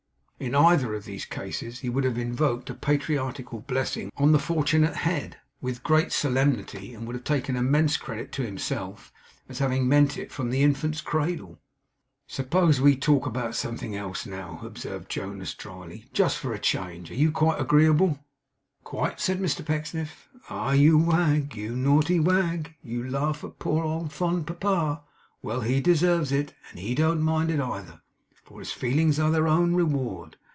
In either of these cases he would have invoked a patriarchal blessing on the fortunate head, with great solemnity, and would have taken immense credit to himself, as having meant it from the infant's cradle. 'Suppose we talk about something else, now,' observed Jonas, drily. 'just for a change. Are you quite agreeable?' 'Quite,' said Mr Pecksniff. 'Ah, you wag, you naughty wag! You laugh at poor old fond papa. Well! He deserves it. And he don't mind it either, for his feelings are their own reward.